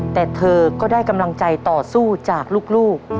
แต่เธอก็ได้กำลังใจต่อสู้จากลูก